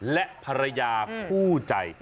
และภรรยาคู่ใจ